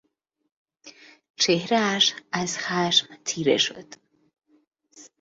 چهرهاش از خشم تیره شد.